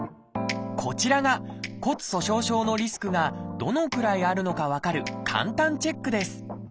こちらが骨粗しょう症のリスクがどのくらいあるのか分かる簡単チェックです。